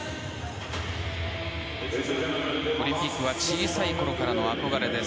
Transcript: オリンピックは小さいころからの憧れです。